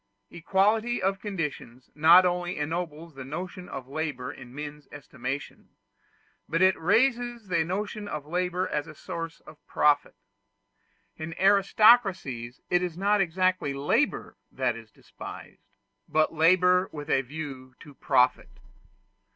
Equality of conditions not only ennobles the notion of labor in men's estimation, but it raises the notion of labor as a source of profit. In aristocracies it is not exactly labor that is despised, but labor with a view to profit.